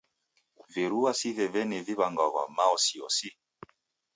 Virua si veveni viw'angwagha maosiyosi?